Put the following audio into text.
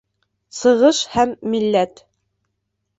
Сығыш һәм милләт